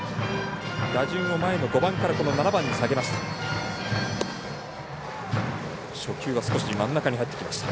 打順を前の５番から７番に下げました。